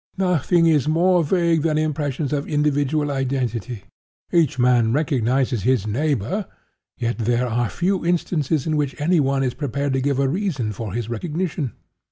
Nothing is more vague than impressions of individual identity. Each man recognizes his neighbor, yet there are few instances in which any one is prepared to give a reason for his recognition.